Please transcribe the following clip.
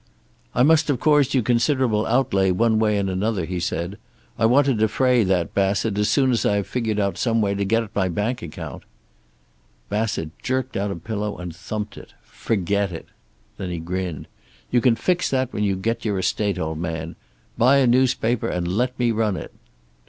"I must have caused you considerable outlay, one way and another," he said. "I want to defray that, Bassett, as soon as I've figured out some way to get at my bank account." Bassett jerked out a pillow and thumped it. "Forget it." Then he grinned. "You can fix that when you get your estate, old man. Buy a newspaper and let me run it!"